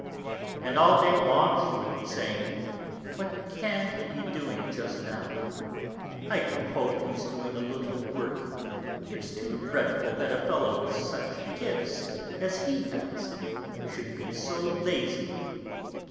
And all day long she would be saying, 'What can he be doing just now? I do hope, he's doing a little work! It's too dreadful that a fellow with such gifts as he has should be so lazy.'